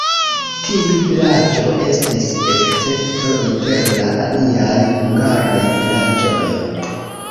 Tiu vilaĝo estis escepto inter la aliaj hungaraj vilaĝoj.